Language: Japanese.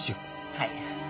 はい。